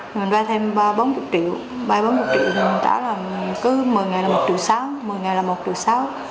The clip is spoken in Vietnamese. mình vay thêm ba bốn triệu ba bốn triệu mình trả là cứ một mươi ngày là một triệu sáu một mươi ngày là một triệu sáu